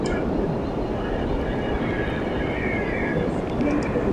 El Partido Popular obtuvo mayoría absoluta en el Congreso de los Diputados.